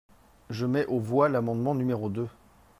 Je mets aux voix l’amendement numéro deux.